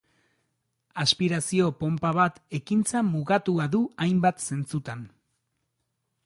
Aspirazio-ponpa bat ekintza mugatua du hainbat zentzutan.